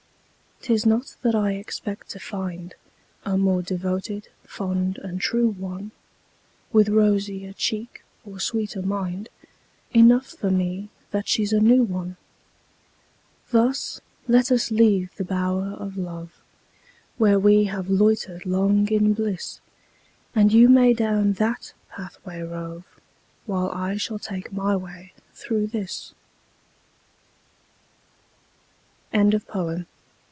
'Tis not that I expect to find A more devoted, fond and true one, With rosier cheek or sweeter mind Enough for me that she's a new one. Thus let us leave the bower of love, Where we have loitered long in bliss; And you may down that pathway rove, While I shall take my way through this. ANACREONTIC.